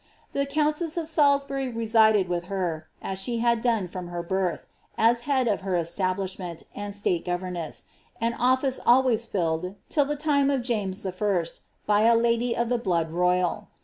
Tlie countess of Salisbury resided with her, as she had done from her binh. as head of her establishment, and state governess, an office always filled, till the time of James J., by a lady of the blood royal.